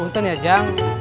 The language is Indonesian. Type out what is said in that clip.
untun ya tujang